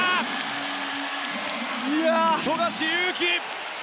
富樫勇樹！